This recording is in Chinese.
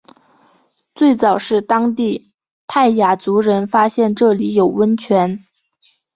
最早是当地泰雅族人发现这里有温泉。